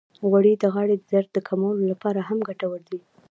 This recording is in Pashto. غوړې د غاړې د درد کمولو لپاره هم ګټورې دي.